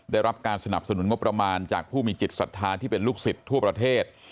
ได้รับการสนับสนุนงบประมาณจากผู้มีจิตศรัทธาที่เป็นลูกศิษย์ทั่วประเทศ